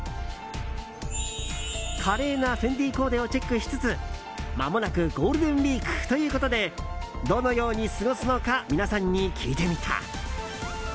華麗なフェンディコーデをチェックしつつまもなくゴールデンウィークということでどのように過ごすのか皆さんに聞いてみた。